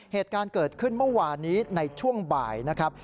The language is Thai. เหตุการณ์เกิดขึ้นเมื่อวานนี้ในช่วงบ่ายนะครับ